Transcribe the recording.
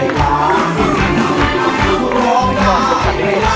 ครับ